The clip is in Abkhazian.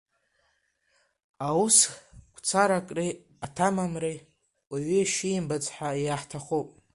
Аус гәцаракреи аҭамамреи, уаҩы ишимбац ҳа иаҳҭахуп.